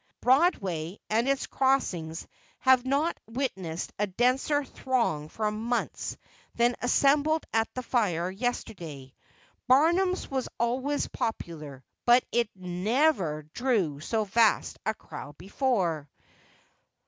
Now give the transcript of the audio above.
Broadway and its crossings have not witnessed a denser throng for months than assembled at the fire yesterday. Barnum's was always popular, but it never drew so vast a crowd before.